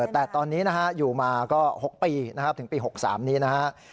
แต่ตอนนี้นะฮะอยู่มาก็๖ปีนะครับถึงปี๖๓นี้นะครับ